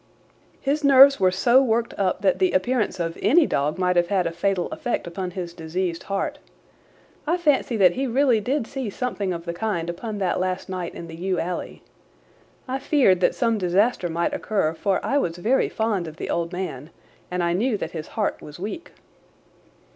"His nerves were so worked up that the appearance of any dog might have had a fatal effect upon his diseased heart. I fancy that he really did see something of the kind upon that last night in the yew alley. I feared that some disaster might occur, for I was very fond of the old man, and I knew that his heart was weak."